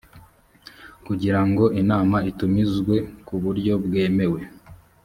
kugirango inama itumizwe ku buryo bwemewe